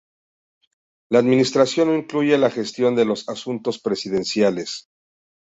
La Administración no incluye la gestión de los asuntos presidenciales.